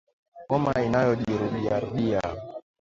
Homa inayojirudiarudia